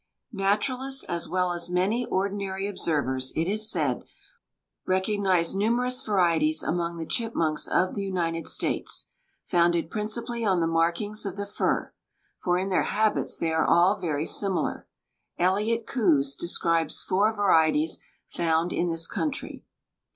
Naturalists, as well as many ordinary observers, it is said, recognize numerous varieties among the chipmunks of the United States, founded principally on the markings of the fur; for in their habits they are all very similar. Elliott Coues describes four varieties found in this country.